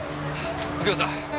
右京さん！